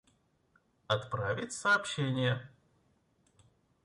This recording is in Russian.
Отправить сообщение